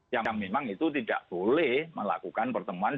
yang memang itu tidak boleh melakukan pertemuan